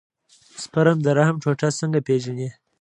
سپرم د رحم ټوټه څنګه پېژني.